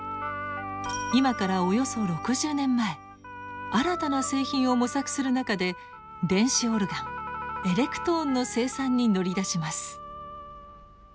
今からおよそ６０年前新たな製品を模索する中で電子オルガンエレクトーンの生産に乗り出します。